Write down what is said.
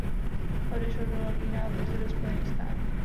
Odešel do Londýna a brzy do Spojených států.